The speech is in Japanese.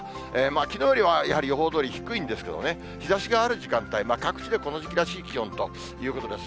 きのうよりはやはり予報どおり低いんですけれどもね、日ざしがある時間帯、各地でこの時期らしい気温ということです。